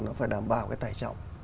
nó phải đảm bảo cái tài trọng